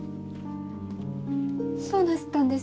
どうなすったんです。